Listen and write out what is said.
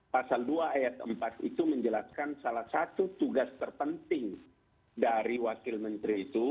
pasal dua ayat empat itu menjelaskan salah satu tugas terpenting dari wakil menteri itu